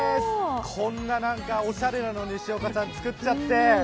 こんなおしゃれなのを西岡さん作っちゃって。